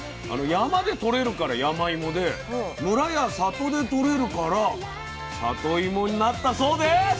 山でとれるからやまいもで村や里でとれるからさといもになったそうです。